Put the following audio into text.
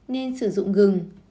nên sử dụng gừng